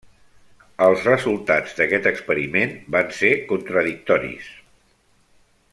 Els resultats d'aquest experiment van ser contradictoris.